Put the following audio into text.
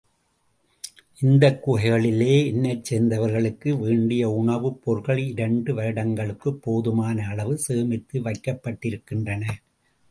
இந்தக் குகைகளிலே என்னைச் சேர்ந்தவர்களுக்கு வேண்டிய உணவுப் பொருள்கள் இரண்டு வருடங்களுக்குப் போதுமான அளவு சேமித்து வைக்கப்பட்டிருக்கின்றன.